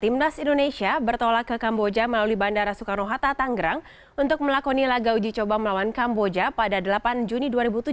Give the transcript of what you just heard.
timnas indonesia bertolak ke kamboja melalui bandara soekarno hatta tanggerang untuk melakoni laga uji coba melawan kamboja pada delapan juni dua ribu tujuh belas